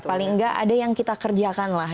paling tidak ada yang kita kerjakan